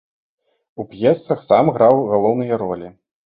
У п'есах сам граў галоўныя ролі.